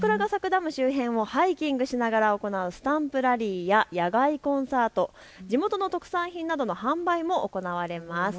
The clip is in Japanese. ハイキングしながら行うスタンプラリーや野外コンサート、地元の特産品などの販売も行われます。